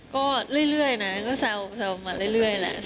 ก็เรื่อยนะก็แซวมาเรื่อยแหละ